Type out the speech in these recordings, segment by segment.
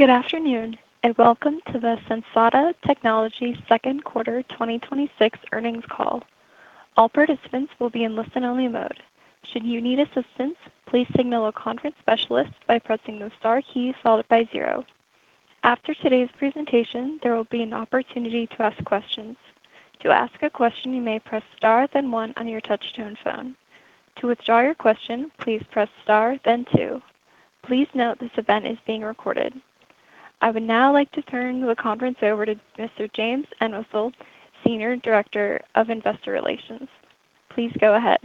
Good afternoon, and welcome to the Sensata Technologies second quarter 2026 earnings call. All participants will be in listen-only mode. Should you need assistance, please signal a conference specialist by pressing the star key followed by zero. After today's presentation, there will be an opportunity to ask questions. To ask a question, you may press star then one on your touch-tone phone. To withdraw your question, please press star then two. Please note this event is being recorded. I would now like to turn the conference over to Mr. James Entwistle, Senior Director of Investor Relations. Please go ahead.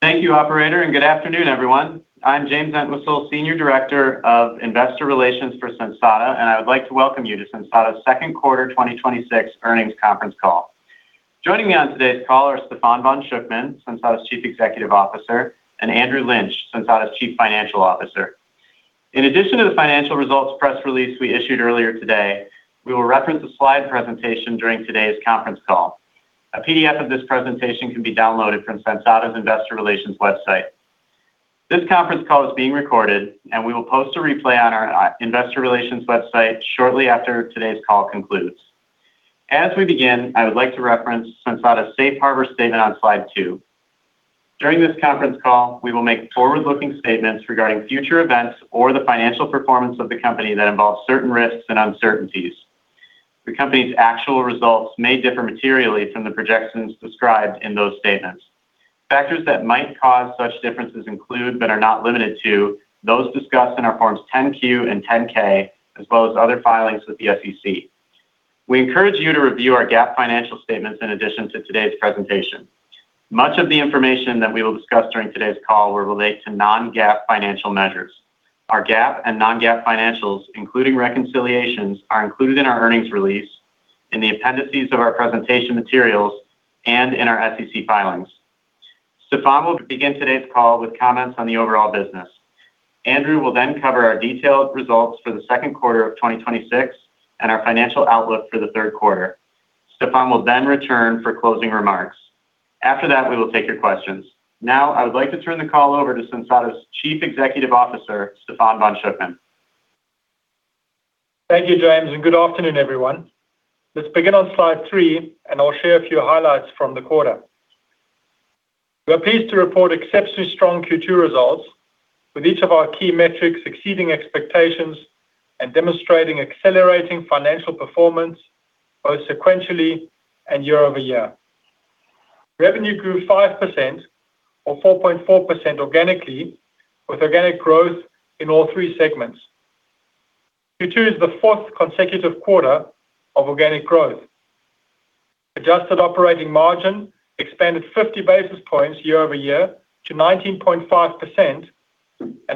Thank you, operator, and good afternoon, everyone. I'm James Entwistle, Senior Director of Investor Relations for Sensata, and I would like to welcome you to Sensata's second quarter 2026 earnings conference call. Joining me on today's call are Stephan von Schuckmann, Sensata's Chief Executive Officer, and Andrew Lynch, Sensata's Chief Financial Officer. In addition to the financial results press release we issued earlier today, we will reference a slide presentation during today's conference call. A PDF of this presentation can be downloaded from Sensata's investor relations website. This conference call is being recorded, and we will post a replay on our investor relations website shortly after today's call concludes. As we begin, I would like to reference Sensata's Safe Harbor statement on slide two. During this conference call, we will make forward-looking statements regarding future events or the financial performance of the company that involve certain risks and uncertainties. The company's actual results may differ materially from the projections described in those statements. Factors that might cause such differences include, but are not limited to, those discussed in our Forms 10-Q and 10-K, as well as other filings with the SEC. We encourage you to review our GAAP financial statements in addition to today's presentation. Much of the information that we will discuss during today's call will relate to non-GAAP financial measures. Our GAAP and non-GAAP financials, including reconciliations, are included in our earnings release, in the appendices of our presentation materials, and in our SEC filings. Stephan will begin today's call with comments on the overall business. Andrew will then cover our detailed results for the second quarter of 2026 and our financial outlook for the third quarter. Stephan will then return for closing remarks. After that, we will take your questions. Now, I would like to turn the call over to Sensata's Chief Executive Officer, Stephan von Schuckmann. Thank you, James. Good afternoon, everyone. Let's begin on slide three. I'll share a few highlights from the quarter. We are pleased to report exceptionally strong Q2 results, with each of our key metrics exceeding expectations and demonstrating accelerating financial performance both sequentially and year-over-year. Revenue grew 5% or 4.4% organically, with organic growth in all three segments, which is the fourth consecutive quarter of organic growth. Adjusted operating margin expanded 50 basis points year-over-year to 19.5%.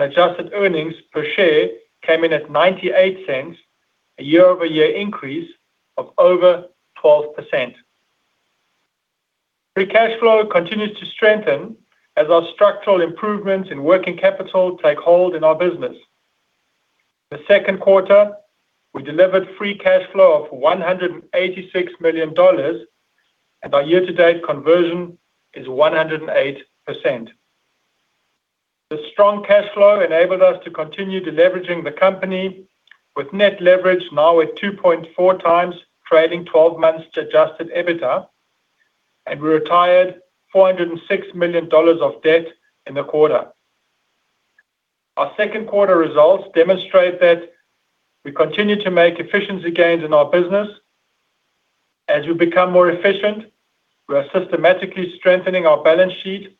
Adjusted earnings per share came in at $0.98, a year-over-year increase of over 12%. Free cash flow continues to strengthen as our structural improvements in working capital take hold in our business. The second quarter, we delivered free cash flow of $186 million. Our year-to-date conversion is 108%. The strong cash flow enabled us to continue deleveraging the company with net leverage now at 2.4x trading 12 months to adjusted EBITDA. We retired $406 million of debt in the quarter. Our second quarter results demonstrate that we continue to make efficiency gains in our business. As we become more efficient, we are systematically strengthening our balance sheet.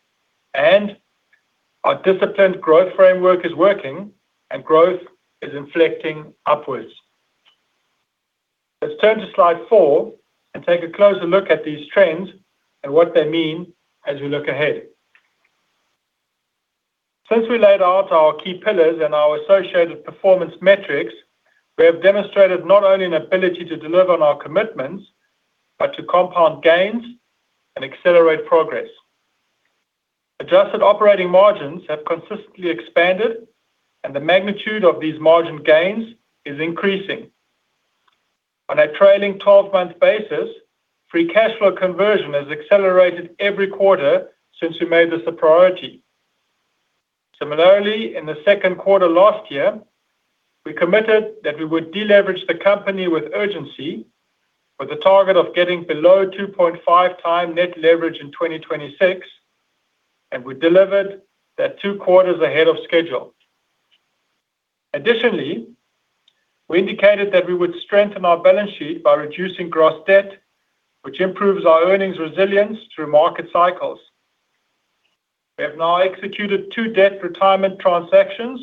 Our disciplined growth framework is working, and growth is inflecting upwards. Let's turn to slide four. Take a closer look at these trends and what they mean as we look ahead. Since we laid out our key pillars and our associated performance metrics, we have demonstrated not only an ability to deliver on our commitments, but to compound gains and accelerate progress. Adjusted operating margins have consistently expanded. The magnitude of these margin gains is increasing. On a trailing 12-month basis, free cash flow conversion has accelerated every quarter since we made this a priority. Similarly, in the second quarter last year, we committed that we would deleverage the company with urgency with a target of getting below 2.5x net leverage in 2026. We delivered that two quarters ahead of schedule. Additionally, we indicated that we would strengthen our balance sheet by reducing gross debt, which improves our earnings resilience through market cycles. We have now executed two debt retirement transactions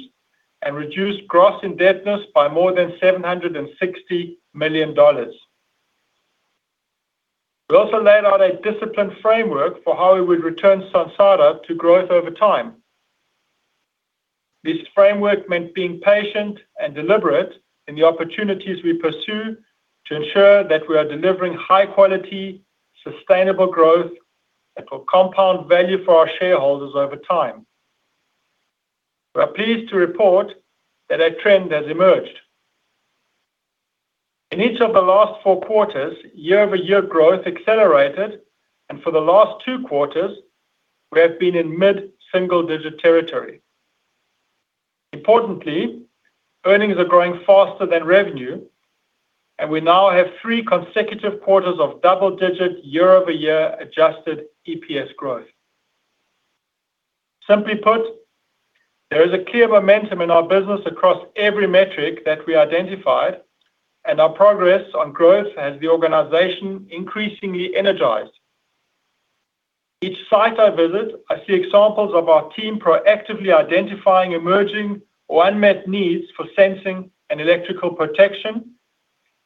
and reduced gross indebtedness by more than $760 million. We also laid out a disciplined framework for how we would return Sensata to growth over time. This framework meant being patient and deliberate in the opportunities we pursue to ensure that we are delivering high quality, sustainable growth that will compound value for our shareholders over time. We are pleased to report that a trend has emerged. In each of the last four quarters, year-over-year growth accelerated. For the last two quarters, we have been in mid-single digit territory. Importantly, earnings are growing faster than revenue. We now have three consecutive quarters of double-digit year-over-year adjusted EPS growth. Simply put, there is a clear momentum in our business across every metric that we identified. Our progress on growth has the organization increasingly energized. Each site I visit, I see examples of our team proactively identifying emerging or unmet needs for sensing and electrical protection,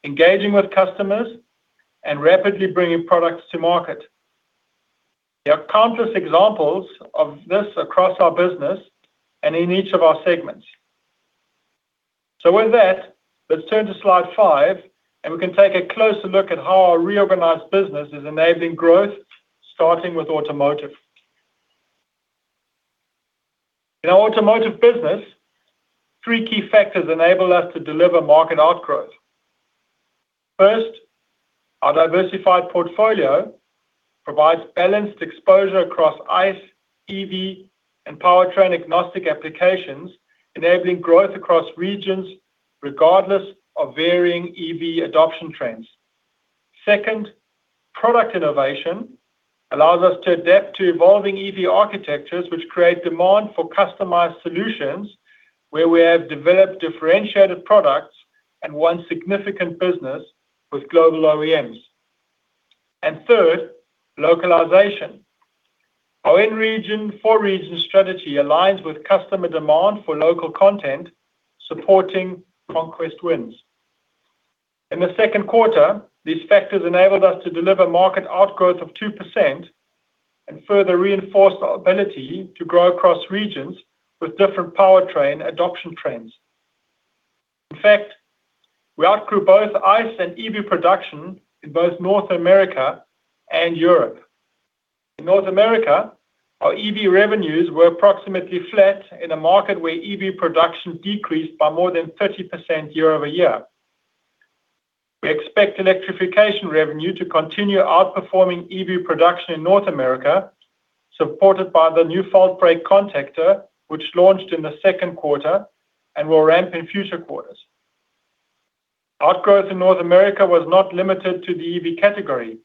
engaging with customers, and rapidly bringing products to market. There are countless examples of this across our business and in each of our segments. With that, let's turn to slide five. We can take a closer look at how our reorganized business is enabling growth, starting with Automotive. In our Automotive business, three key factors enable us to deliver market outgrowth. First, our diversified portfolio provides balanced exposure across ICE, EV, and powertrain-agnostic applications, enabling growth across regions regardless of varying EV adoption trends. Second, product innovation allows us to adapt to evolving EV architectures, which create demand for customized solutions where we have developed differentiated products and won significant business with global OEMs. Third, localization. Our in region, for region strategy aligns with customer demand for local content supporting conquest wins. In the second quarter, these factors enabled us to deliver market outgrowth of 2% and further reinforced our ability to grow across regions with different powertrain adoption trends. In fact, we outgrew both ICE and EV production in both North America and Europe. In North America, our EV revenues were approximately flat in a market where EV production decreased by more than 30% year-over-year. We expect electrification revenue to continue outperforming EV production in North America, supported by the new FaultBreak contactor, which launched in the second quarter and will ramp in future quarters. Outgrowth in North America was not limited to the EV category.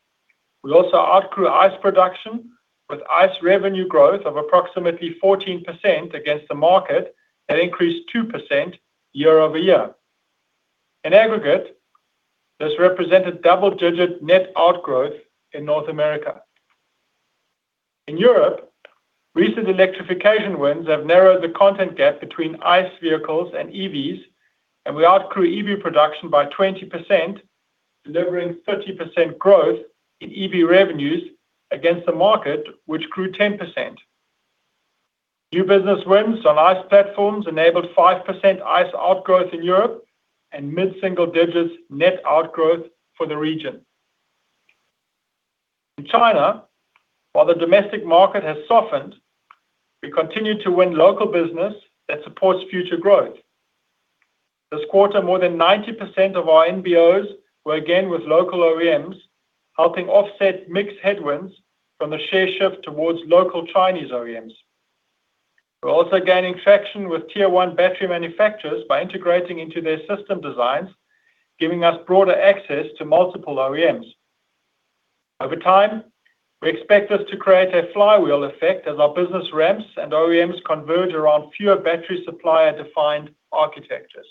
We also outgrew ICE production with ICE revenue growth of approximately 14% against the market that increased 2% year-over-year. In aggregate, this represented double-digit net outgrowth in North America. In Europe, recent electrification wins have narrowed the content gap between ICE vehicles and EVs, and we outgrew EV production by 20%, delivering 30% growth in EV revenues against the market, which grew 10%. New business wins on ICE platforms enabled 5% ICE outgrowth in Europe and mid-single digits net outgrowth for the region. In China, while the domestic market has softened, we continue to win local business that supports future growth. This quarter, more than 90% of our NBOs were again with local OEMs, helping offset mixed headwinds from the share shift towards local Chinese OEMs. We're also gaining traction with tier one battery manufacturers by integrating into their system designs, giving us broader access to multiple OEMs. Over time, we expect this to create a flywheel effect as our business ramps and OEMs converge around fewer battery supplier-defined architectures.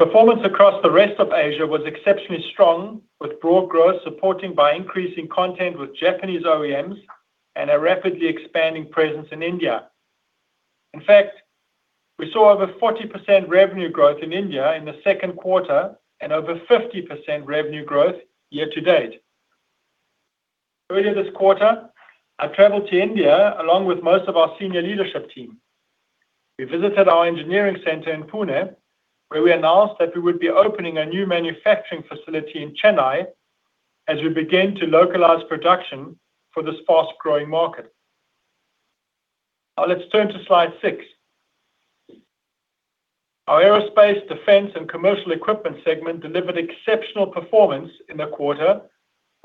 Performance across the rest of Asia was exceptionally strong, with broad growth supported by increasing content with Japanese OEMs and a rapidly expanding presence in India. In fact, we saw over 40% revenue growth in India in the second quarter and over 50% revenue growth year to date. Earlier this quarter, I traveled to India along with most of our senior leadership team. We visited our engineering center in Pune, where we announced that we would be opening a new manufacturing facility in Chennai as we begin to localize production for this fast-growing market. Now let's turn to slide six. Our Aerospace, Defense and Commercial Equipment segment delivered exceptional performance in the quarter,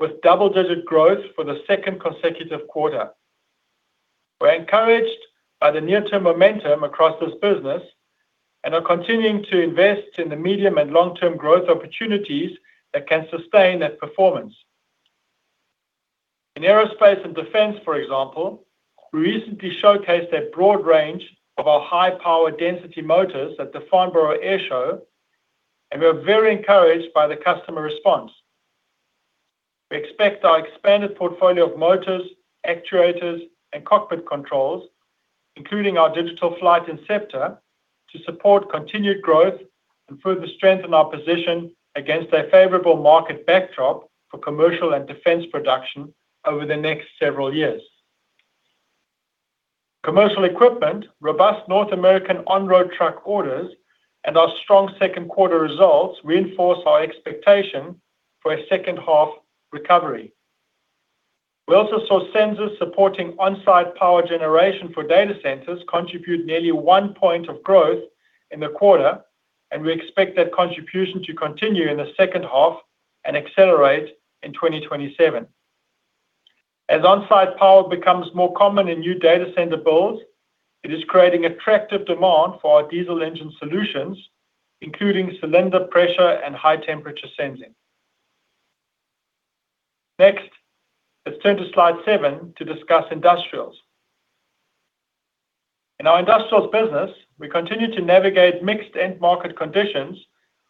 with double-digit growth for the second consecutive quarter. We're encouraged by the near-term momentum across this business and are continuing to invest in the medium and long-term growth opportunities that can sustain that performance. In Aerospace and Defense, for example, we recently showcased a broad range of our high-power density motors at the Farnborough Airshow. We are very encouraged by the customer response. We expect our expanded portfolio of motors, actuators, and cockpit controls, including our Digital Inceptor, to support continued growth and further strengthen our position against a favorable market backdrop for commercial and defense production over the next several years. Commercial Equipment, robust North American on-road truck orders, and our strong second quarter results reinforce our expectation for a second half recovery. We also saw sensors supporting on-site power generation for data centers contribute nearly one point of growth in the quarter, and we expect that contribution to continue in the second half and accelerate in 2027. As on-site power becomes more common in new data center builds, it is creating attractive demand for our diesel engine solutions, including cylinder pressure and high-temperature sensing. Let's turn to slide seven to discuss Industrials. In our Industrials business, we continue to navigate mixed end market conditions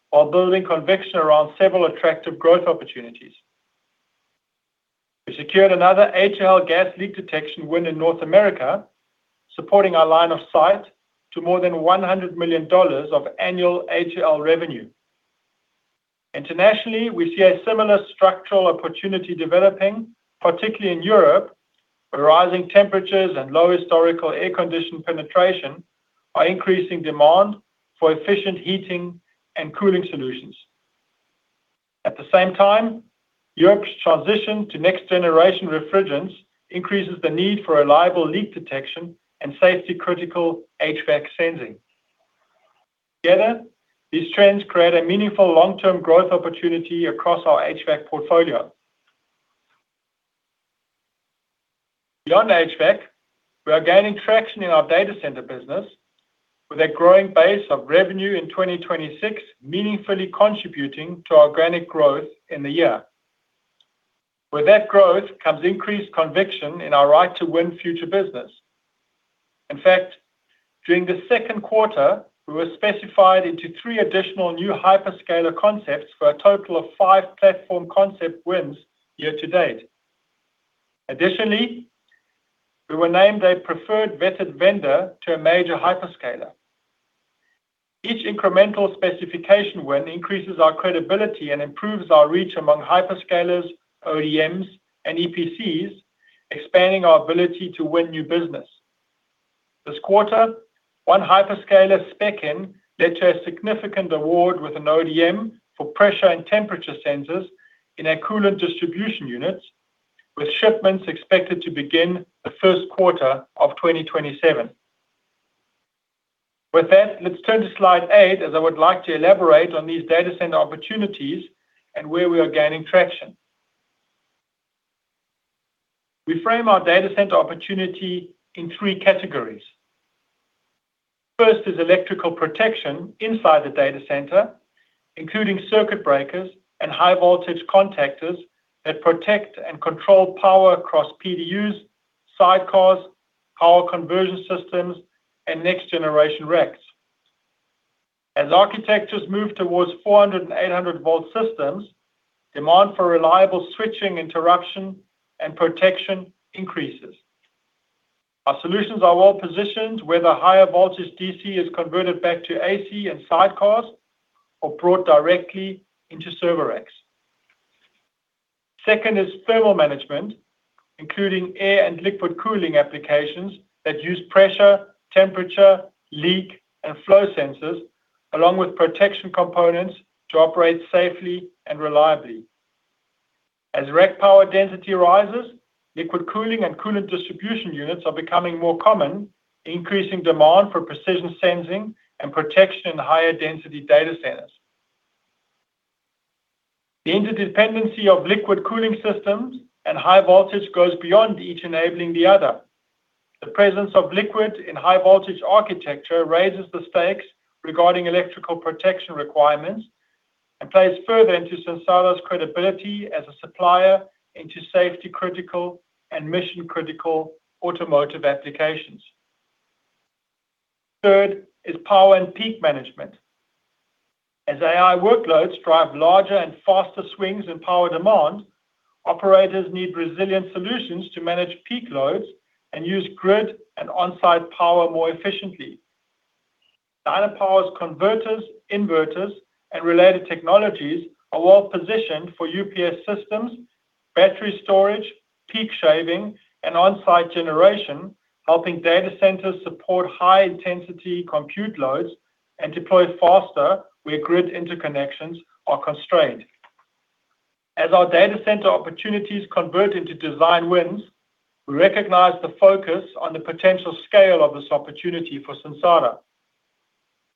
while building conviction around several attractive growth opportunities. We secured another HL gas leak detection win in North America, supporting our line of sight to more than $100 million of annual HL revenue. Internationally, we see a similar structural opportunity developing, particularly in Europe, where rising temperatures and low historical air condition penetration are increasing demand for efficient heating and cooling solutions. At the same time, Europe's transition to next-generation refrigerants increases the need for reliable leak detection and safety-critical HVAC sensing. Together, these trends create a meaningful long-term growth opportunity across our HVAC portfolio. Beyond HVAC, we are gaining traction in our data center business with a growing base of revenue in 2026, meaningfully contributing to our organic growth in the year. With that growth comes increased conviction in our right to win future business. In fact, during the second quarter, we were specified into three additional new hyperscaler concepts for a total of five platform concept wins year to date. Additionally, we were named a preferred vetted vendor to a major hyperscaler. Each incremental specification win increases our credibility and improves our reach among hyperscalers, OEMs, and EPCs, expanding our ability to win new business. This quarter, one hyperscaler spec in led to a significant award with an ODM for pressure and temperature sensors in our coolant distribution units, with shipments expected to begin the first quarter of 2027. With that, let's turn to slide eight, as I would like to elaborate on these data center opportunities and where we are gaining traction. We frame our data center opportunity in three categories. First is electrical protection inside the data center, including circuit breakers and high-voltage contactors that protect and control power across PDUs, site cores, power conversion systems, and next-generation racks. As architectures move towards 400 and 800-volt systems, demand for reliable switching, interruption, and protection increases. Our solutions are well-positioned where the higher voltage DC is converted back to AC and site cores or brought directly into server racks. Second is thermal management, including air and liquid cooling applications that use pressure, temperature, leak, and flow sensors along with protection components to operate safely and reliably. As rack power density rises, liquid cooling and coolant distribution units are becoming more common, increasing demand for precision sensing and protection in higher density data centers. The interdependency of liquid cooling systems and high voltage goes beyond each enabling the other. The presence of liquid in high-voltage architecture raises the stakes regarding electrical protection requirements and plays further into Sensata's credibility as a supplier into safety-critical and mission-critical Automotive applications. Third is power and peak management. As AI workloads drive larger and faster swings in power demand, operators need resilient solutions to manage peak loads and use grid and on-site power more efficiently. Dynapower's converters, inverters, and related technologies are well-positioned for UPS systems, battery storage, peak shaving, and on-site generation, helping data centers support high-intensity compute loads and deploy faster where grid interconnections are constrained. As our data center opportunities convert into design wins, we recognize the focus on the potential scale of this opportunity for Sensata.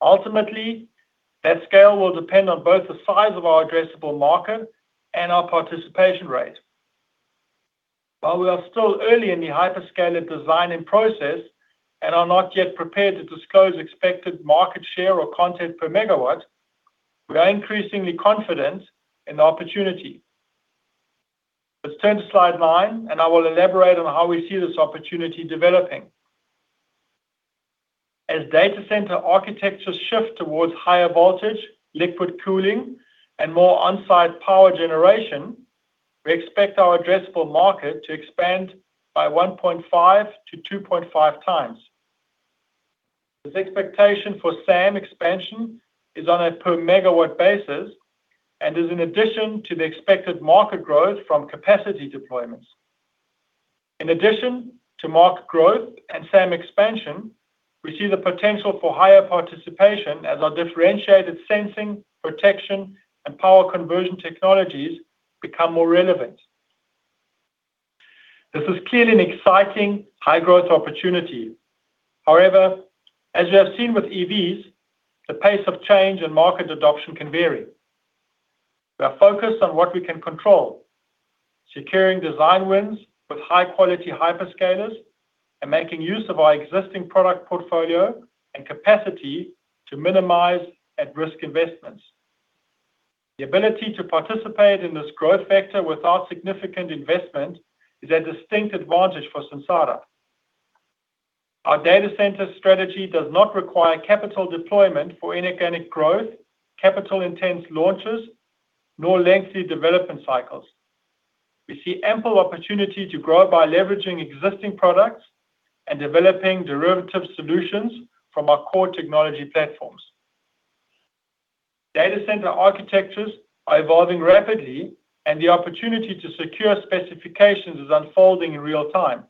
Ultimately, that scale will depend on both the size of our addressable market and our participation rate. While we are still early in the hyperscaler design and process and are not yet prepared to disclose expected market share or content per megawatt, we are increasingly confident in the opportunity. Let's turn to slide nine, and I will elaborate on how we see this opportunity developing. As data center architectures shift towards higher voltage, liquid cooling, and more on-site power generation, we expect our addressable market to expand by 1.5x-2.5x. This expectation for SAM expansion is on a per megawatt basis and is in addition to the expected market growth from capacity deployments. In addition to market growth and SAM expansion, we see the potential for higher participation as our differentiated sensing, protection, and power conversion technologies become more relevant. This is clearly an exciting high-growth opportunity. However, as we have seen with EVs, the pace of change and market adoption can vary. We are focused on what we can control, securing design wins with high-quality hyperscalers, and making use of our existing product portfolio and capacity to minimize at-risk investments. The ability to participate in this growth factor without significant investment is a distinct advantage for Sensata. Our data center strategy does not require capital deployment for inorganic growth, capital-intense launches, nor lengthy development cycles. We see ample opportunity to grow by leveraging existing products and developing derivative solutions from our core technology platforms. Data center architectures are evolving rapidly, and the opportunity to secure specifications is unfolding in real time.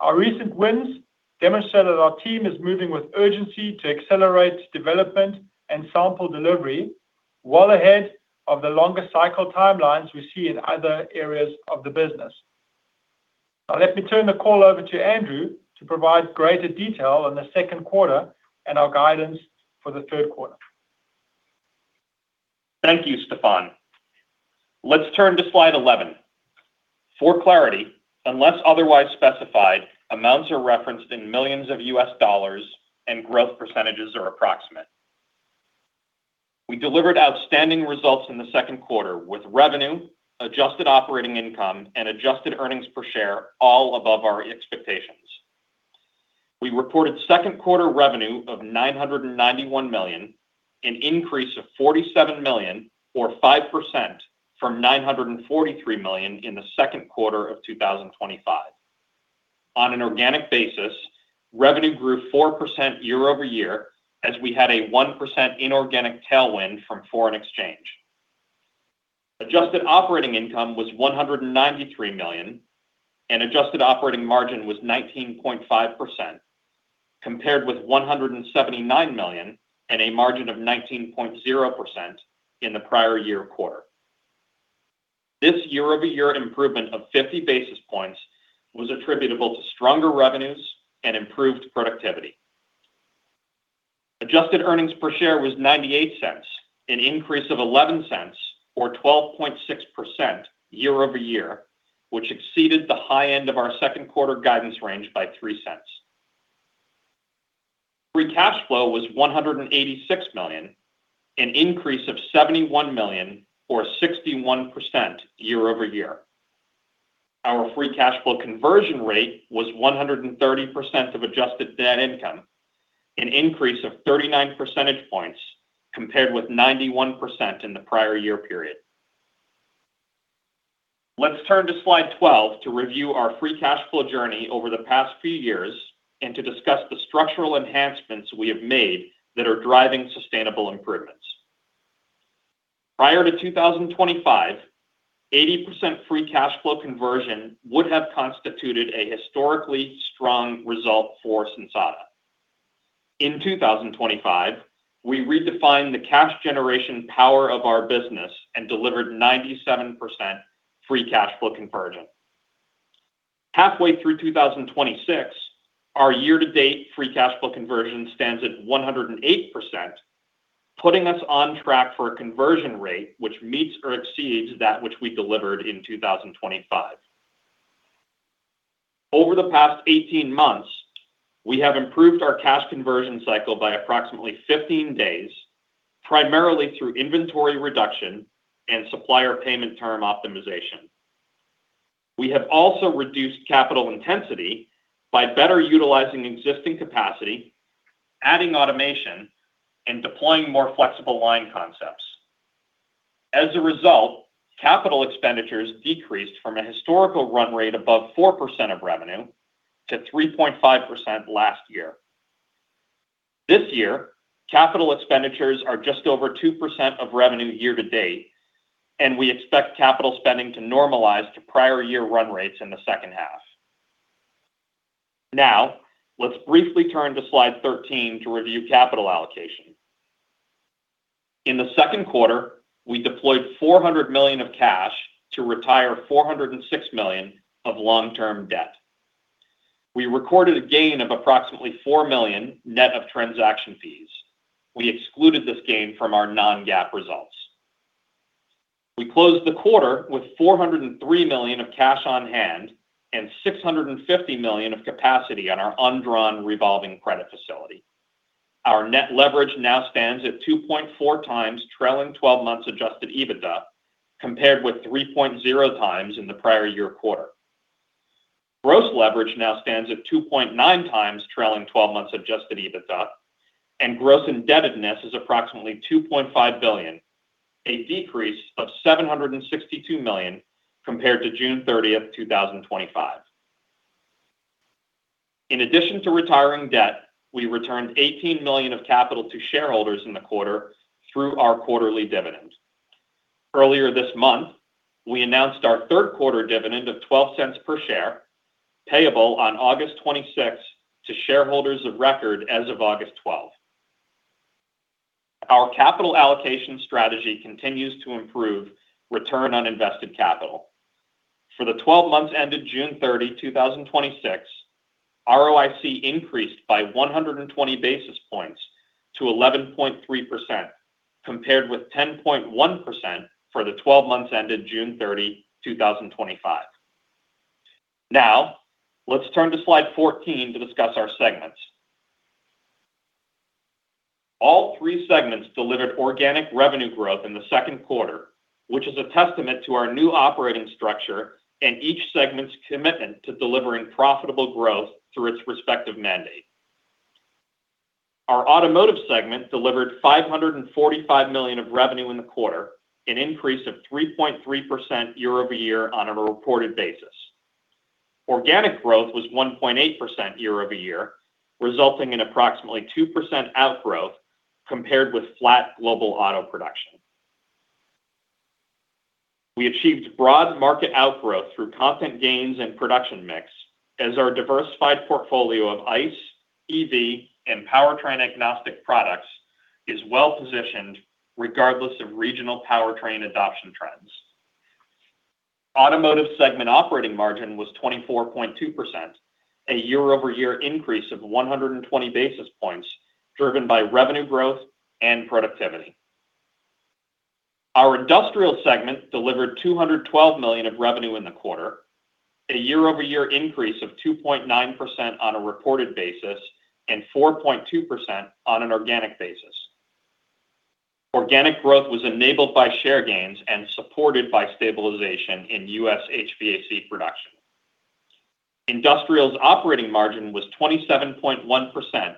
Our recent wins demonstrate that our team is moving with urgency to accelerate development and sample delivery well ahead of the longer cycle timelines we see in other areas of the business. Now, let me turn the call over to Andrew to provide greater detail on the second quarter and our guidance for the third quarter. Thank you, Stephan. Let's turn to slide 11. For clarity, unless otherwise specified, amounts are referenced in millions of US dollars and growth percentages are approximate. We delivered outstanding results in the second quarter with revenue, adjusted operating income, and adjusted earnings per share all above our expectations. We reported second quarter revenue of $991 million, an increase of $47 million or 5% from $943 million in the second quarter of 2025. On an organic basis, revenue grew 4% year-over-year as we had a 1% inorganic tailwind from foreign exchange. Adjusted operating income was $193 million, and adjusted operating margin was 19.5%, compared with $179 million and a margin of 19.0% in the prior year quarter. This year-over-year improvement of 50 basis points was attributable to stronger revenues and improved productivity. Adjusted earnings per share was $0.98, an increase of $0.11 or 12.6% year-over-year, which exceeded the high end of our second quarter guidance range by $0.03. Free cash flow was $186 million, an increase of $71 million or 61% year-over-year. Our free cash flow conversion rate was 130% of adjusted net income, an increase of 39 percentage points compared with 91% in the prior year period. Let's turn to slide 12 to review our free cash flow journey over the past few years and to discuss the structural enhancements we have made that are driving sustainable improvements. Prior to 2025, 80% free cash flow conversion would have constituted a historically strong result for Sensata. In 2025, we redefined the cash generation power of our business and delivered 97% free cash flow conversion. Halfway through 2026, our year-to-date free cash flow conversion stands at 108%, putting us on track for a conversion rate which meets or exceeds that which we delivered in 2025. Over the past 18 months, we have improved our cash conversion cycle by approximately 15 days, primarily through inventory reduction and supplier payment term optimization. We have also reduced capital intensity by better utilizing existing capacity, adding automation, and deploying more flexible line concepts. As a result, capital expenditures decreased from a historical run rate above 4% of revenue to 3.5% last year. This year, capital expenditures are just over 2% of revenue year-to-date, and we expect capital spending to normalize to prior year run rates in the second half. Let's briefly turn to slide 13 to review capital allocation. In the second quarter, we deployed $400 million of cash to retire $406 million of long-term debt. We recorded a gain of approximately $4 million net of transaction fees. We excluded this gain from our non-GAAP results. We closed the quarter with $403 million of cash on hand and $650 million of capacity on our undrawn revolving credit facility. Our net leverage now stands at 2.4x trailing 12 months adjusted EBITDA, compared with 3.0x in the prior year quarter. Gross leverage now stands at 2.9x trailing 12 months adjusted EBITDA, and gross indebtedness is approximately $2.5 billion, a decrease of $762 million compared to June 30th, 2025. In addition to retiring debt, we returned $18 million of capital to shareholders in the quarter through our quarterly dividend. Earlier this month, we announced our third quarter dividend of $0.12 per share, payable on August 26th to shareholders of record as of August 12th. Our capital allocation strategy continues to improve return on invested capital. For the 12 months ended June 30, 2026, ROIC increased by 120 basis points to 11.3%, compared with 10.1% for the 12 months ended June 30, 2025. Let's turn to slide 14 to discuss our segments. All three segments delivered organic revenue growth in the second quarter, which is a testament to our new operating structure and each segment's commitment to delivering profitable growth through its respective mandate. Our Automotive segment delivered $545 million of revenue in the quarter, an increase of 3.3% year-over-year on a reported basis. Organic growth was 1.8% year-over-year, resulting in approximately 2% outgrowth compared with flat global auto production. We achieved broad market outgrowth through content gains and production mix as our diversified portfolio of ICE, EV, and powertrain agnostic products is well-positioned regardless of regional powertrain adoption trends. Automotive segment operating margin was 24.2%, a year-over-year increase of 120 basis points driven by revenue growth and productivity. Our Industrials segment delivered $212 million of revenue in the quarter, a year-over-year increase of 2.9% on a reported basis, and 4.2% on an organic basis. Organic growth was enabled by share gains and supported by stabilization in U.S. HVAC production. Industrials' operating margin was 27.1%,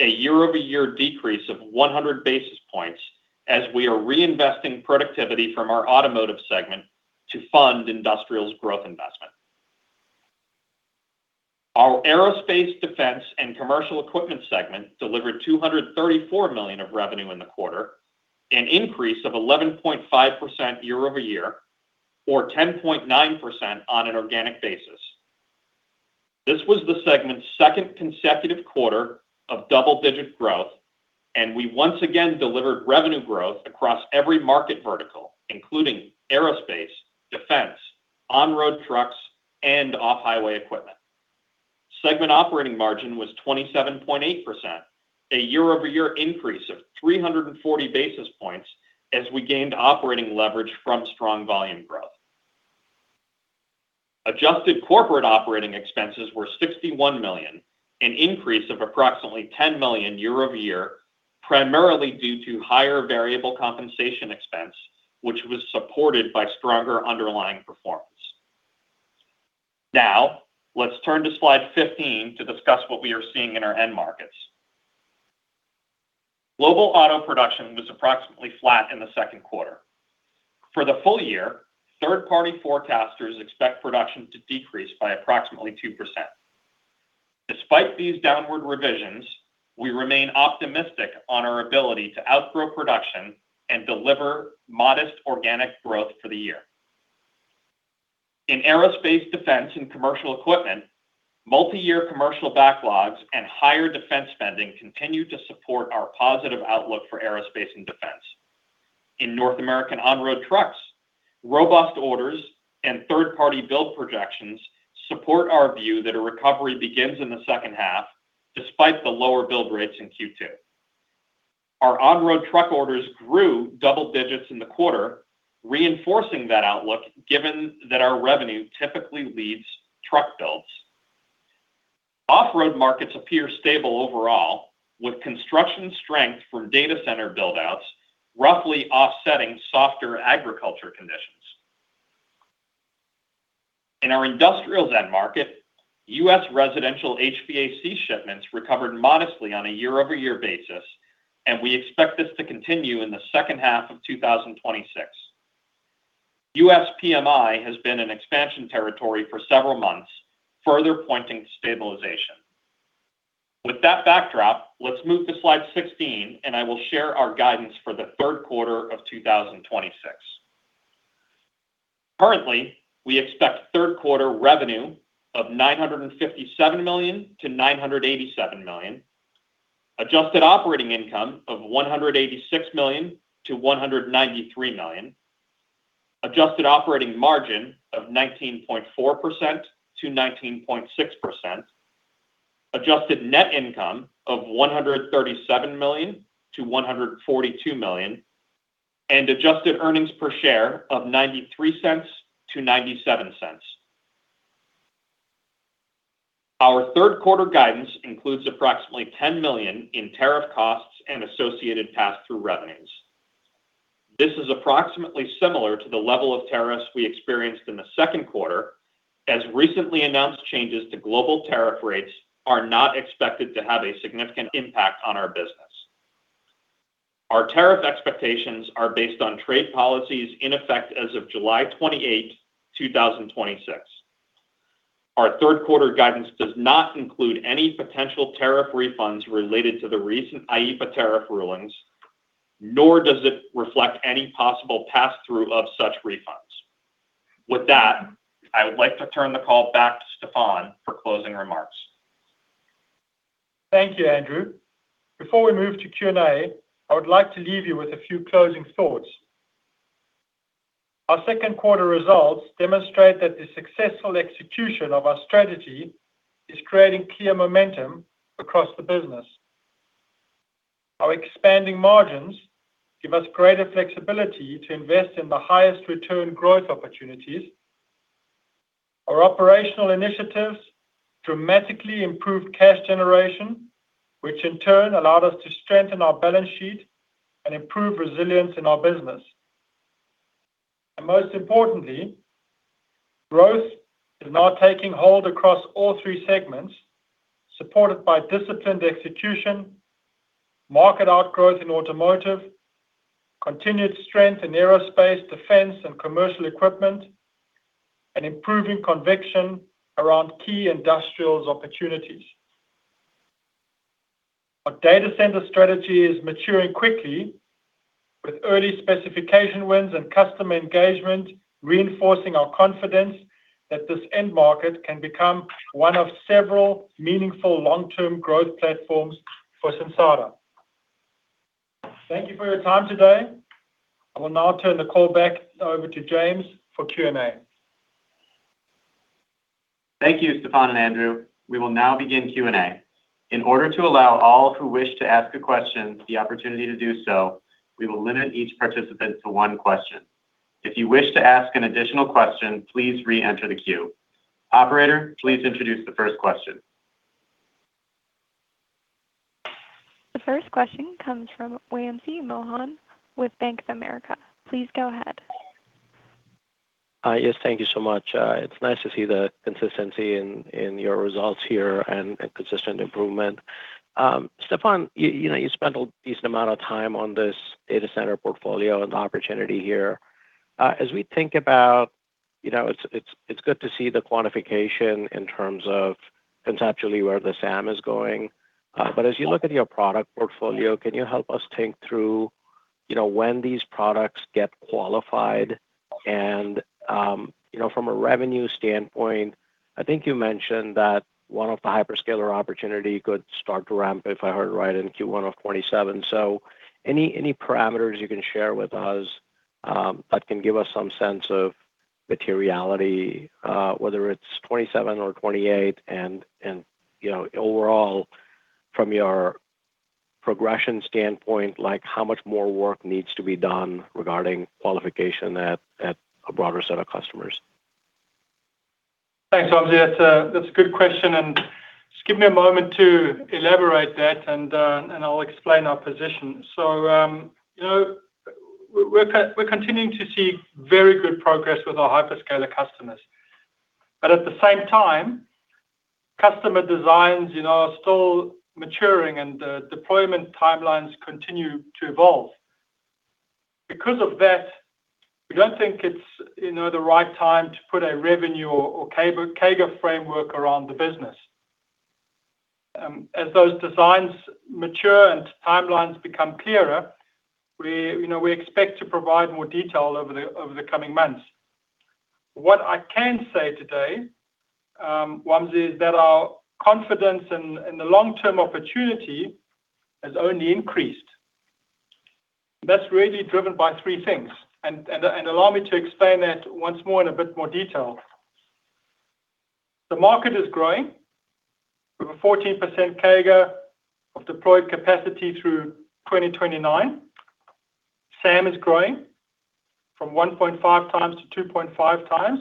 a year-over-year decrease of 100 basis points as we are reinvesting productivity from our Automotive segment to fund Industrials' growth investment. Our Aerospace, Defense and Commercial Equipment segment delivered $234 million of revenue in the quarter, an increase of 11.5% year-over-year, or 10.9% on an organic basis. This was the segment's second consecutive quarter of double-digit growth, and we once again delivered revenue growth across every market vertical, including aerospace, defense, on-road trucks, and off-highway equipment. Segment operating margin was 27.8%, a year-over-year increase of 340 basis points as we gained operating leverage from strong volume growth. Adjusted corporate operating expenses were $61 million, an increase of approximately $10 million year-over-year, primarily due to higher variable compensation expense, which was supported by stronger underlying performance. Let's turn to slide 15 to discuss what we are seeing in our end markets. Global auto production was approximately flat in the second quarter. For the full year, third-party forecasters expect production to decrease by approximately 2%. Despite these downward revisions, we remain optimistic on our ability to outgrow production and deliver modest organic growth for the year. In Aerospace, Defense and Commercial Equipment, multiyear commercial backlogs and higher defense spending continue to support our positive outlook for aerospace and defense. In North American on-road trucks, robust orders and third-party build projections support our view that a recovery begins in the second half despite the lower build rates in Q2. Our on-road truck orders grew double digits in the quarter, reinforcing that outlook given that our revenue typically leads truck builds. Off-road markets appear stable overall, with construction strength for data center build-outs roughly offsetting softer agriculture conditions. In our industrial end market, U.S. residential HVAC shipments recovered modestly on a year-over-year basis, and we expect this to continue in the second half of 2026. U.S. PMI has been in expansion territory for several months, further pointing to stabilization. With that backdrop, let's move to slide 16, I will share our guidance for the third quarter of 2026. Currently, we expect third quarter revenue of $957 million-$987 million, adjusted operating income of $186 million-$193 million, adjusted operating margin of 19.4%-19.6%, adjusted net income of $137 million-$142 million, and adjusted earnings per share of $0.93-$0.97. Our third quarter guidance includes approximately $10 million in tariff costs and associated passthrough revenues. This is approximately similar to the level of tariffs we experienced in the second quarter, as recently announced changes to global tariff rates are not expected to have a significant impact on our business. Our tariff expectations are based on trade policies in effect as of July 28th, 2026. Our third quarter guidance does not include any potential tariff refunds related to the recent IEPA tariff rulings, nor does it reflect any possible pass-through of such refunds. With that, I would like to turn the call back to Stephan for closing remarks. Thank you, Andrew. Before we move to Q&A, I would like to leave you with a few closing thoughts. Our second quarter results demonstrate that the successful execution of our strategy is creating clear momentum across the business. Our expanding margins give us greater flexibility to invest in the highest return growth opportunities. Our operational initiatives dramatically improved cash generation, which in turn allowed us to strengthen our balance sheet and improve resilience in our business. Most importantly, growth is now taking hold across all three segments, supported by disciplined execution, market outgrowth in Automotive, continued strength in Aerospace, Defense and Commercial Equipment, and improving conviction around key Industrials opportunities. Our data center strategy is maturing quickly with early specification wins and customer engagement, reinforcing our confidence that this end market can become one of several meaningful long-term growth platforms for Sensata. Thank you for your time today. I will now turn the call back over to James for Q&A. Thank you, Stephan and Andrew. We will now begin Q&A. In order to allow all who wish to ask a question the opportunity to do so, we will limit each participant to one question. If you wish to ask an additional question, please re-enter the queue. Operator, please introduce the first question. The first question comes from Wamsi Mohan with Bank of America. Please go ahead. Yes, thank you so much. It's nice to see the consistency in your results here and consistent improvement. Stephan, you spent a decent amount of time on this data center portfolio and the opportunity here. It's good to see the quantification in terms of conceptually where the SAM is going. As you look at your product portfolio, can you help us think through when these products get qualified and, from a revenue standpoint, I think you mentioned that one of the hyperscaler opportunity could start to ramp, if I heard right, in Q1 of 2027. Any parameters you can share with us that can give us some sense of materiality, whether it's 2027 or 2028, and overall from your progression standpoint, how much more work needs to be done regarding qualification at a broader set of customers? Thanks, Wamsi. That's a good question, and just give me a moment to elaborate that and I'll explain our position. We're continuing to see very good progress with our hyperscaler customers. At the same time, customer designs are still maturing and deployment timelines continue to evolve. Because of that, we don't think it's the right time to put a revenue or CAGR framework around the business. As those designs mature and timelines become clearer, we expect to provide more detail over the coming months. What I can say today, Wamsi, is that our confidence in the long-term opportunity has only increased. That's really driven by three things, and allow me to explain that once more in a bit more detail. The market is growing with a 14% CAGR of deployed capacity through 2029. SAM is growing from 1.5x-2.x.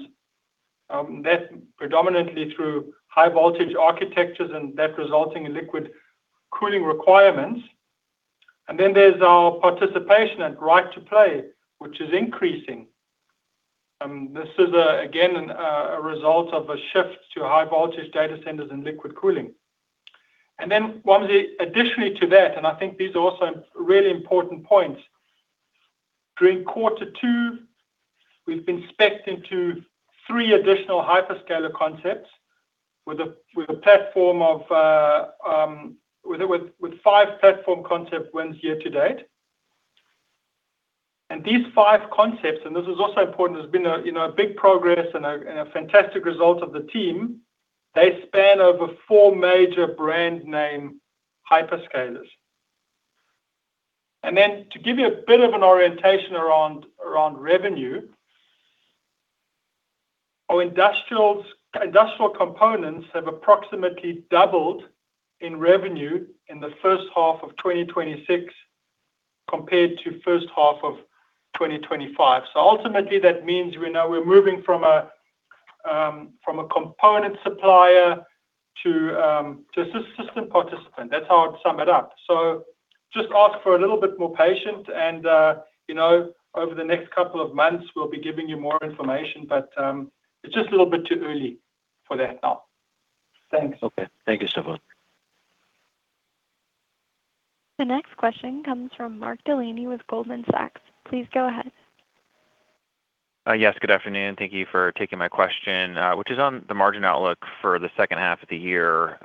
Predominantly through high voltage architectures and that resulting in liquid cooling requirements. There's our participation and right to play, which is increasing. This is again, a result of a shift to high voltage data centers and liquid cooling. Wamsi, additionally to that, and I think these are also really important points, during quarter two, we've been specced into three additional hyperscaler concepts with five platform concept wins year to date. These five concepts, and this is also important, there's been a big progress and a fantastic result of the team. They span over four major brand name hyperscalers. To give you a bit of an orientation around revenue, our industrial components have approximately doubled in revenue in the first half of 2026 compared to first half of 2025. Ultimately, that means we're now moving from a component supplier to a system participant. That's how I'd sum it up. Just ask for a little bit more patience and over the next couple of months, we'll be giving you more information. It's just a little bit too early for that now. Thanks. Thank you, Schuckmann. The next question comes from Mark Delaney with Goldman Sachs. Please go ahead. Yes, good afternoon. Thank you for taking my question, which is on the margin outlook for the second half of the year.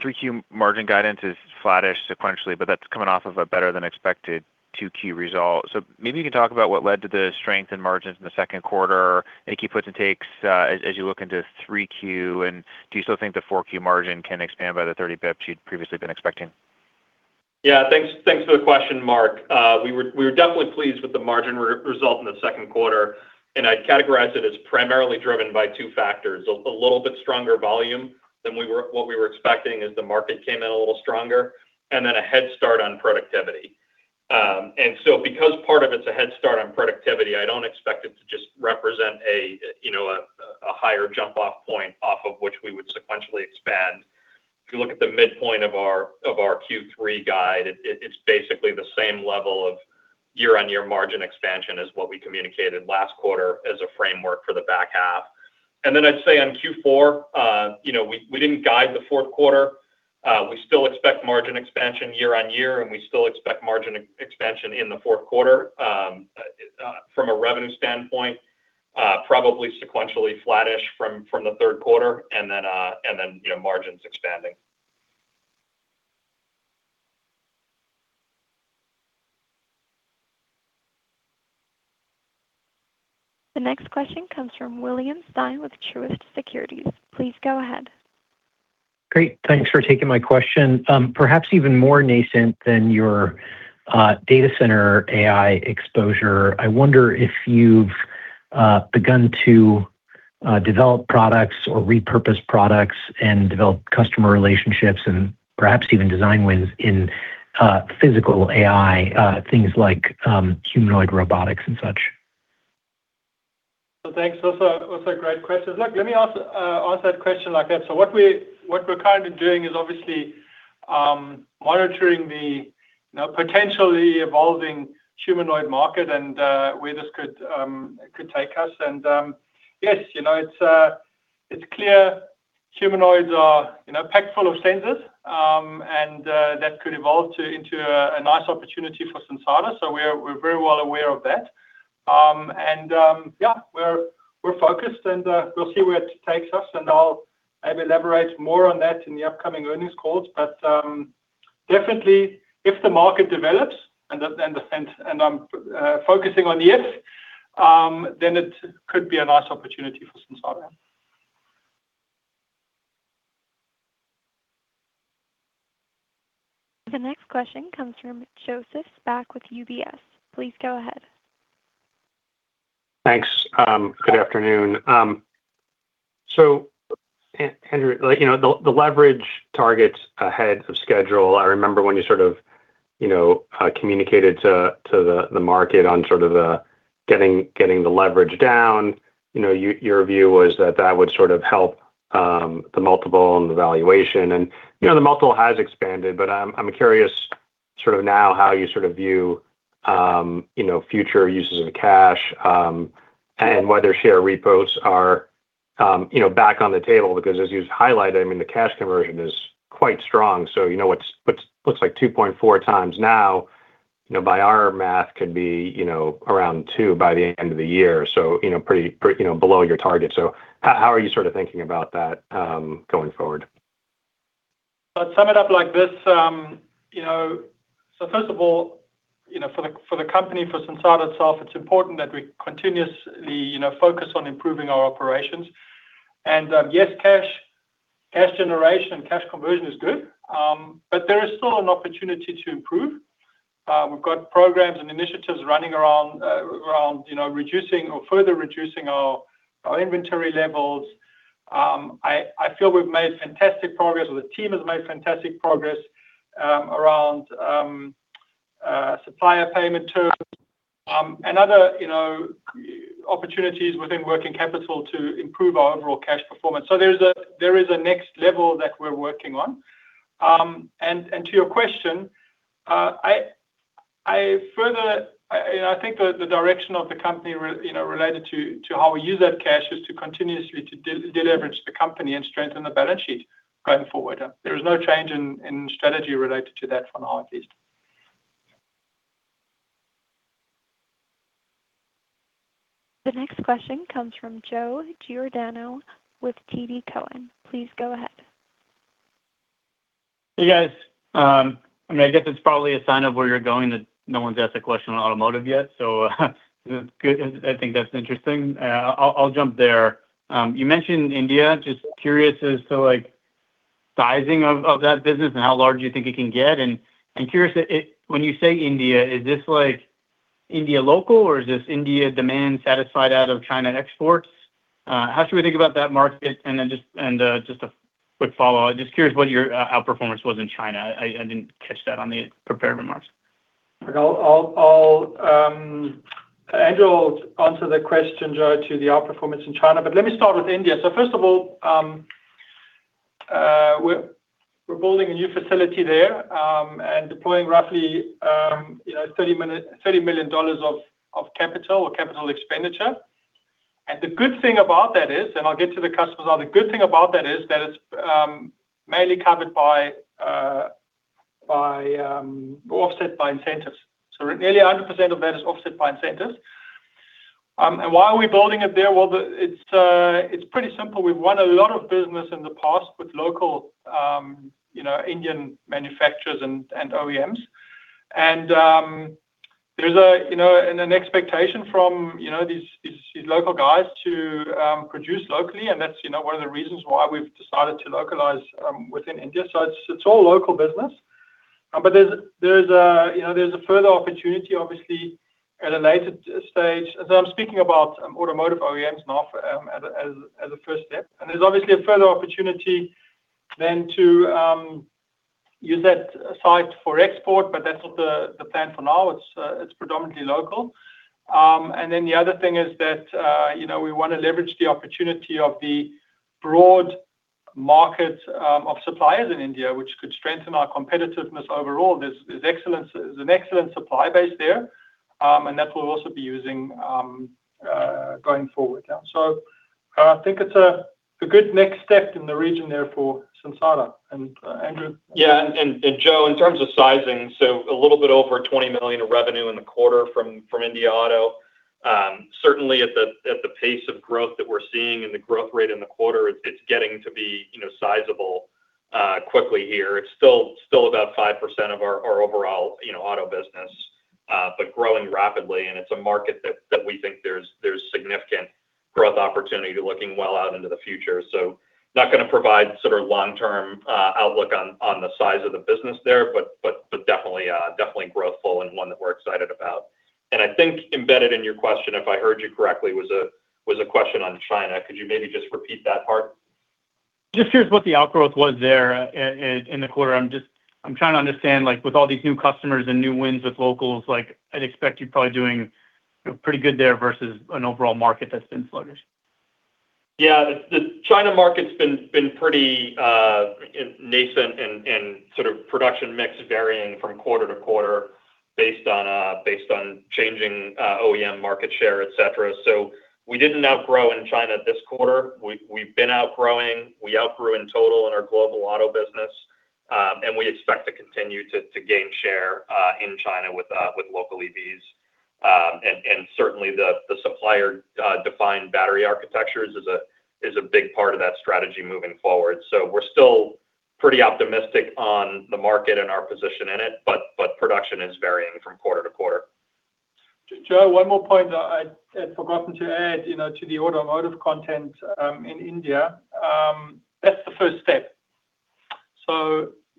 3Q margin guidance is flattish sequentially, but that's coming off of a better than expected 2Q result. Maybe you can talk about what led to the strength in margins in the second quarter, any key puts and takes as you look into 3Q, and do you still think the 4Q margin can expand by the 30 basis points you'd previously been expecting? Yeah. Thanks for the question, Mark. We were definitely pleased with the margin result in the second quarter, and I'd categorize it as primarily driven by two factors: a little bit stronger volume than what we were expecting as the market came in a little stronger, and then a head start on productivity. Because part of it's a head start on productivity, I don't expect it to just represent a higher jump-off point off of which we would sequentially expand. If you look at the midpoint of our Q3 guide, it's basically the same level of year-on-year margin expansion as what we communicated last quarter as a framework for the back half. I'd say on Q4, we didn't guide the fourth quarter. We still expect margin expansion year-on-year, and we still expect margin expansion in the fourth quarter. From a revenue standpoint, probably sequentially flattish from the third quarter and then margins expanding. The next question comes from William Stein with Truist Securities. Please go ahead. Great. Thanks for taking my question. Perhaps even more nascent than your data center AI exposure, I wonder if you've begun to develop products or repurpose products and develop customer relationships and perhaps even design wins in physical AI, things like humanoid robotics and such. Thanks. Those are great questions. Look, let me answer that question like that. What we're currently doing is obviously monitoring the potentially evolving humanoid market and where this could take us. Yes, it's clear humanoids are packed full of sensors, and that could evolve into a nice opportunity for Sensata, so we're very well aware of that. Yeah, we're focused, and we'll see where it takes us, and I'll maybe elaborate more on that in the upcoming earnings calls. Definitely, if the market develops, and I'm focusing on if, then it could be a nice opportunity for Sensata. The next question comes from Joseph Spak with UBS. Please go ahead. Thanks. Good afternoon. Andrew, the leverage target's ahead of schedule. I remember when you communicated to the market on getting the leverage down. Your view was that that would help the multiple and the valuation. The multiple has expanded, but I'm curious now how you view future uses of cash, and whether share repurchases are back on the table. As you highlighted, the cash conversion is quite strong. What's looks like 2.4x now, by our math, could be around 2x by the end of the year, so pretty below your target. How are you thinking about that going forward? I'll sum it up like this. First of all, for the company, for Sensata itself, it is important that we continuously focus on improving our operations. Yes, cash generation, cash conversion is good, but there is still an opportunity to improve. We have got programs and initiatives running around further reducing our inventory levels. I feel we have made fantastic progress, or the team has made fantastic progress around supplier payment terms and other opportunities within working capital to improve our overall cash performance. There is a next level that we are working on. To your question, I think the direction of the company related to how we use that cash is to continuously to de-leverage the company and strengthen the balance sheet going forward. There is no change in strategy related to that from our end at least. The next question comes from Joe Giordano with TD Cowen. Please go ahead. Hey, guys. I guess it is probably a sign of where you are going that no one has asked a question on Automotive yet, I think that is interesting. I will jump there. You mentioned India. Just curious as to sizing of that business and how large you think it can get. Curious, when you say India, is this India local, or is this India demand satisfied out of China exports? How should we think about that market? Just a quick follow-on. Just curious what your outperformance was in China. I did not catch that on the prepared remarks. Andrew will answer the question, Joe, to the outperformance in China, let me start with India. First of all, we are building a new facility there, deploying roughly $30 million of capital or capital expenditure. The good thing about that is, and I will get to the customers, the good thing about that is that it is mainly covered by, or offset by incentives. Nearly 100% of that is offset by incentives. Why are we building it there? Well, it is pretty simple. We have won a lot of business in the past with local Indian manufacturers and OEMs. There is an expectation from these local guys to produce locally, and that is one of the reasons why we have decided to localize within India. It is all local business. There is a further opportunity, obviously, at a later stage, as I am speaking about Automotive OEMs now as a first step. There's obviously a further opportunity then to use that site for export, but that's not the plan for now. It's predominantly local. The other thing is that we want to leverage the opportunity of the broad market of suppliers in India, which could strengthen our competitiveness overall. There's an excellent supply base there, that we'll also be using going forward. I think it's a good next step in the region there for Sensata. Andrew? Joe, in terms of sizing, a little bit over $20 million of revenue in the quarter from India auto. Certainly, at the pace of growth that we're seeing and the growth rate in the quarter, it's getting to be sizable quickly here. It's still about 5% of our overall auto business, but growing rapidly, and it's a market that we think there's significant growth opportunity looking well out into the future. Not going to provide sort of long-term outlook on the size of the business there, but definitely growth full and one that we're excited about. I think embedded in your question, if I heard you correctly, was a question on China. Could you maybe just repeat that part? Just curious what the outgrowth was there in the quarter. I'm trying to understand, with all these new customers and new wins with locals, I'd expect you're probably doing pretty good there versus an overall market that's been sluggish. The China market's been pretty nascent and sort of production mix varying from quarter to quarter based on changing OEM market share, etc. We didn't outgrow in China this quarter. We've been outgrowing. We outgrew in total in our global auto business. We expect to continue to gain share in China with local EVs. Certainly, the supplier-defined battery architectures is a big part of that strategy moving forward. We're still pretty optimistic on the market and our position in it. Production is varying from quarter to quarter. Joe, one more point I had forgotten to add to the automotive content in India. That's the first step.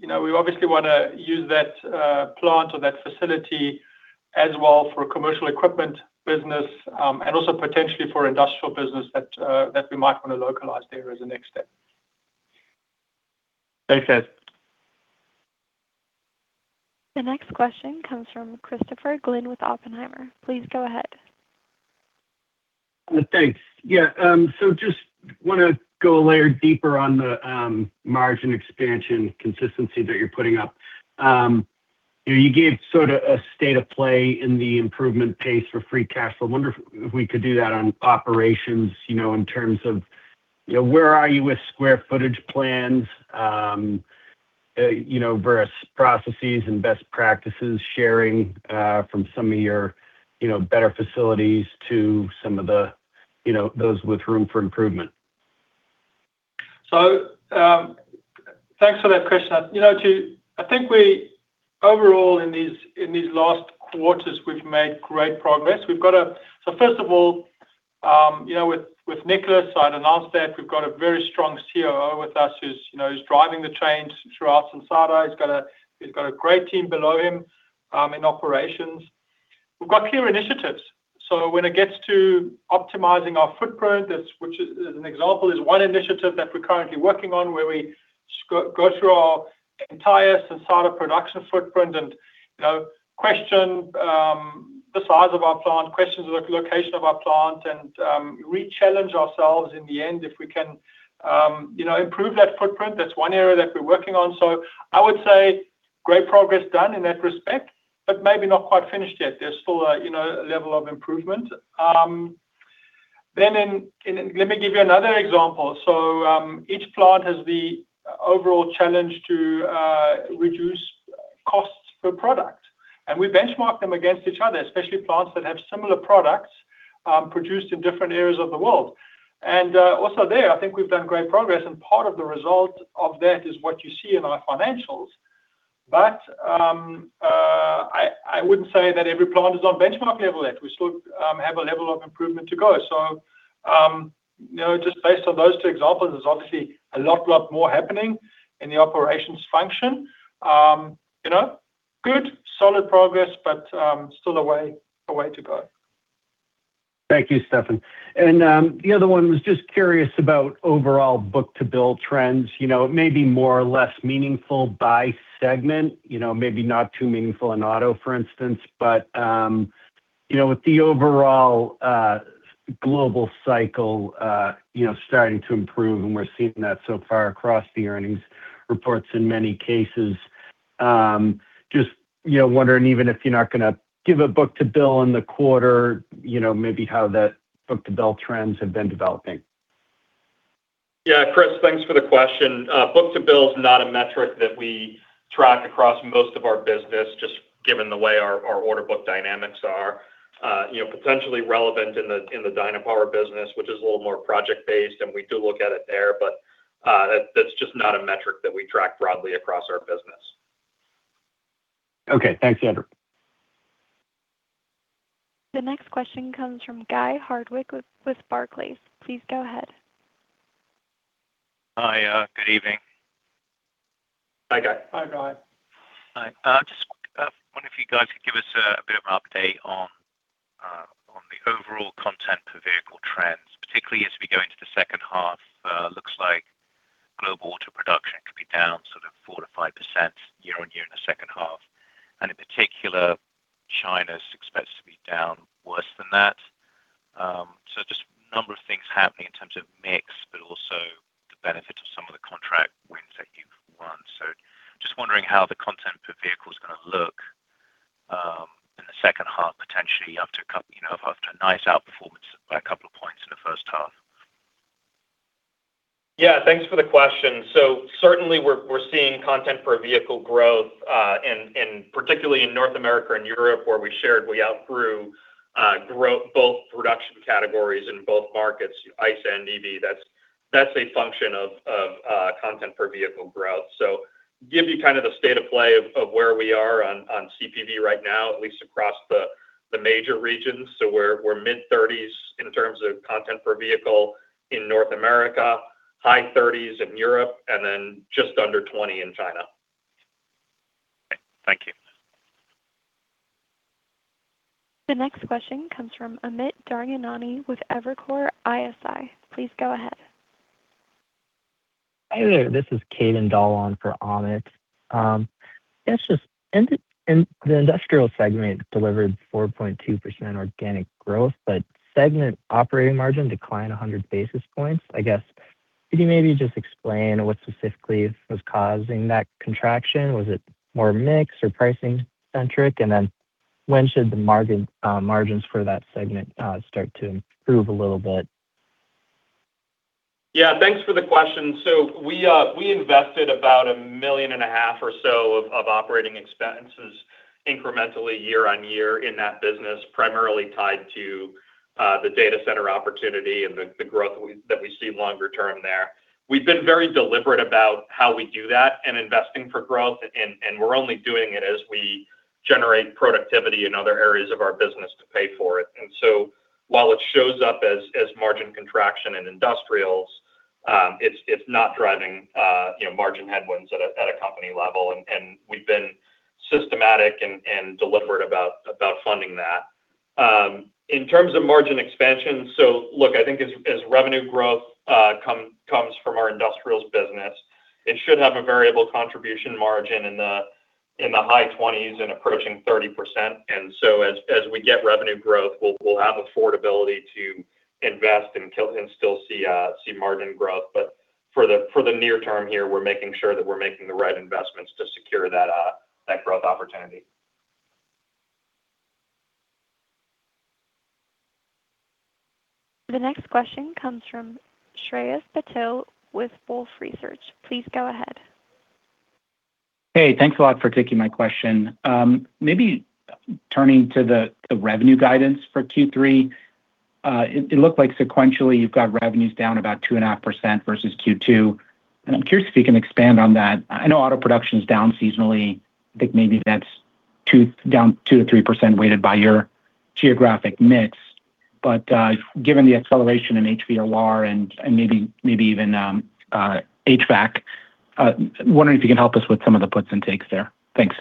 We obviously want to use that plant or that facility as well for commercial equipment business, and also potentially for industrial business that we might want to localize there as a next step. Thanks, guys. The next question comes from Christopher Glynn with Oppenheimer. Please go ahead. Thanks. Yeah, just want to go a layer deeper on the margin expansion consistency that you're putting up. You gave sort of a state of play in the improvement pace for free cash. I wonder if we could do that on operations, in terms of where are you with square footage plans versus processes and best practices sharing from some of your better facilities to some of those with room for improvement? Thanks for that question. Overall in these last quarters, we've made great progress. First of all, with Nicolas, I'd announced that we've got a very strong COO with us who's driving the trains throughout Sensata. He's got a great team below him in operations. We've got clear initiatives. When it gets to optimizing our footprint, which as an example, is one initiative that we're currently working on where we go through our entire Sensata production footprint and question the size of our plant, question the location of our plant, and re-challenge ourselves in the end if we can improve that footprint. That's one area that we're working on. I would say great progress done in that respect, but maybe not quite finished yet. There's still a level of improvement. Let me give you another example. Each plant has the overall challenge to reduce costs per product, and we benchmark them against each other, especially plants that have similar products produced in different areas of the world. Also there, I think we've done great progress, and part of the result of that is what you see in our financials. I wouldn't say that every plant is on benchmark level yet. We still have a level of improvement to go. Just based on those two examples, there's obviously a lot more happening in the operations function. Good solid progress, but still a way to go. Thank you, Stephan. The other one was just curious about overall book-to-bill trends. It may be more or less meaningful by segment, maybe not too meaningful in Automotive, for instance, but with the overall global cycle starting to improve, and we're seeing that so far across the earnings reports in many cases, just wondering even if you're not going to give a book to bill in the quarter, maybe how that book to bill trends have been developing. Chris, thanks for the question. Book to bill is not a metric that we track across most of our business, just given the way our order book dynamics are. Potentially relevant in the Dynapower business, which is a little more project-based, and we do look at it there. That's just not a metric that we track broadly across our business. Okay. Thanks, Andrew. The next question comes from Guy Hardwick with Barclays. Please go ahead. Hi. Good evening. Hi, Guy. Hi, Guy. Hi. Just wondering if you guys could give us a bit of an update on the overall content per vehicle trends, particularly as we go into the second half. Looks like global auto production could be down 4%-5% year-on-year in the second half. In particular, China's expected to be down worse than that. Just a number of things happening in terms of mix, but also the benefit of some of the contract wins that you've won. Just wondering how the content per vehicle is going to look in the second half, potentially after a nice outperformance by a couple of points in the first half. Yeah. Thanks for the question. Certainly we're seeing content per vehicle growth, and particularly in North America and Europe, where we shared we outgrew both production categories in both markets, ICE and EV. That's a function of content per vehicle growth. Give you the state of play of where we are on CPV right now, at least across the major regions. We're mid-30s in terms of content per vehicle in North America, high 30s in Europe, and then just under 20 in China. Okay. Thank you. The next question comes from Amit Daryanani with Evercore ISI. Please go ahead. Hi there. This is Kaden Dolan for Amit. I guess just in the Industrials segment delivered 4.2% organic growth, but segment operating margin declined 100 basis points. Could you maybe just explain what specifically was causing that contraction? Was it more mix or pricing centric? When should the margins for that segment start to improve a little bit? Yeah. Thanks for the question. We invested about $1.5 million or so of operating expenses incrementally year-over-year in that business, primarily tied to the data center opportunity and the growth that we see longer term there. We've been very deliberate about how we do that and investing for growth, and we're only doing it as we generate productivity in other areas of our business to pay for it. While it shows up as margin contraction in Industrials, it's not driving margin headwinds at a company level. We've been systematic and deliberate about funding that. In terms of margin expansion, I think as revenue growth comes from our Industrials business, it should have a variable contribution margin in the high 20s and approaching 30%. As we get revenue growth, we'll have affordability to invest and still see margin growth. For the near term here, we're making sure that we're making the right investments to secure that growth opportunity. The next question comes from Shreyas Patil with Wolfe Research. Please go ahead. Hey, thanks a lot for taking my question. Maybe turning to the revenue guidance for Q3. It looked like sequentially you've got revenues down about 2.5% versus Q2. I'm curious if you can expand on that. I know auto production's down seasonally. I think maybe that's down 2%-3% weighted by your geographic mix. Given the acceleration in HVAR and maybe even HVAC, wondering if you can help us with some of the puts and takes there. Thanks.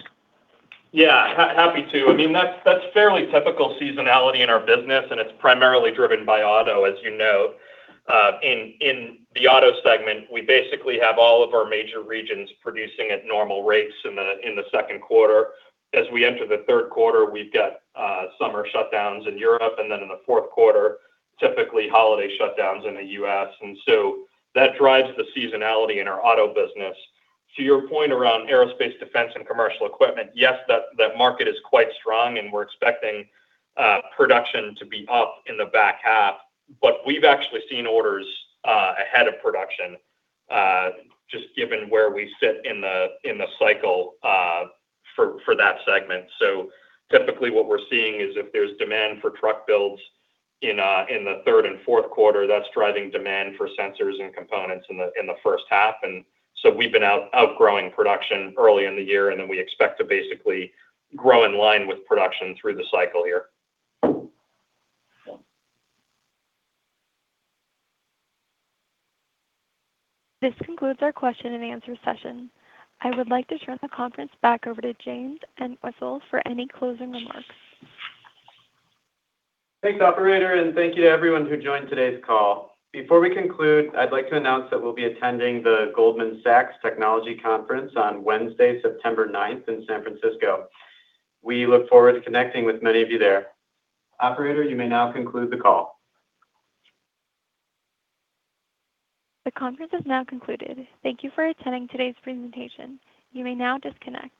Yeah. Happy to. That's fairly typical seasonality in our business, and it's primarily driven by auto, as you know. In the auto segment, we basically have all of our major regions producing at normal rates in the second quarter. As we enter the third quarter, we've got summer shutdowns in Europe, and then in the fourth quarter, typically holiday shutdowns in the U.S. That drives the seasonality in our auto business. To your point around Aerospace, Defense and Commercial Equipment, yes, that market is quite strong, and we're expecting production to be up in the back half. We've actually seen orders ahead of production, just given where we sit in the cycle for that segment. Typically what we're seeing is if there's demand for truck builds in the third and fourth quarter, that's driving demand for sensors and components in the first half. We've been outgrowing production early in the year, we expect to basically grow in line with production through the cycle here. This concludes our question and answer session. I would like to turn the conference back over to James Entwistle for any closing remarks. Thanks, operator, and thank you to everyone who joined today's call. Before we conclude, I'd like to announce that we'll be attending the Goldman Sachs Technology Conference on Wednesday, September 9th in San Francisco. We look forward to connecting with many of you there. Operator, you may now conclude the call. The conference is now concluded. Thank you for attending today's presentation. You may now disconnect.